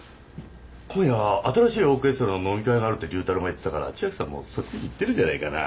今夜は新しいオーケストラの飲み会があるって龍太郎が言ってたから千秋さんもそっちに行ってるんじゃないかな。